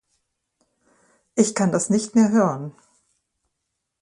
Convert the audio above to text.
Ich kann das nicht mehr hören.